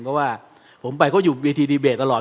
เพราะว่าผมไปเขาอยู่เวทีดีเบตตลอด